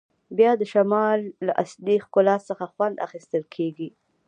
بیا د شمال له اصلي ښکلا څخه خوند اخیستل کیږي